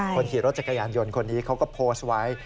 คนขี่รถจักรยานยนต์คนนี้เขาก็โพสต์ไว้